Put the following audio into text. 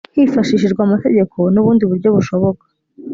hifashishijwe amategeko n’ubundi buryo bushoboka